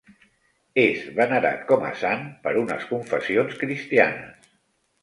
És venerat com a sant per unes confessions cristianes.